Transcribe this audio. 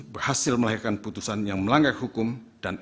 berhasil melahirkan putusan yang melanggar hukum dan